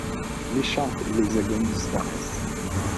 L'écharpe et l'hexagone disparaissent.